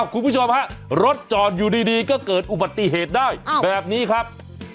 คุณผู้ชมฮะรถจอดอยู่ดีก็เกิดอุบัติเหตุได้แบบนี้ครับ